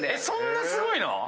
そんなすごいの？